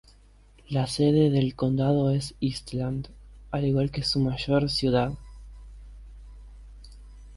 La sede del condado es Eastland, al igual que su mayor ciudad.